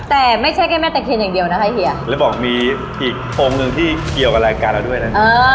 แต่ไม่ใช่แม่แตกเชนแบบเดียวนะไทยเฮียวันถ้าผมบอกมีอีกองค์ที่เกี่ยวกับรายการเราด้วยนะ